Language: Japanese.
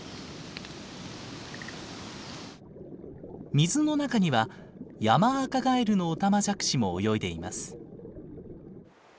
水の中にはヤマアカガエルのオタマジャクシも泳いでいます。